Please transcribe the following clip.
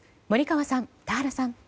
森川さん、田原さん。